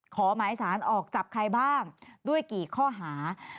ขอหมายสารออกจับใครบ้างด้วยกี่ข้อหา